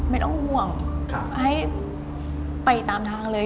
ไม่ต้องห่วงให้ไปตามทางเลย